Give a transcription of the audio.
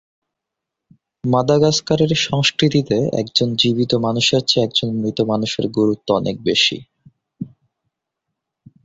মাদাগাস্কারের সংস্কৃতিতে একজন জীবিত মানুষের চেয়ে একজন মৃত মানুষের গুরুত্ব অনেক বেশি।